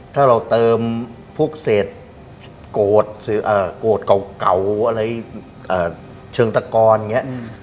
ถ้าเราเติมพวกเศษโกดเก่าเชิงตะกรอย่างนี้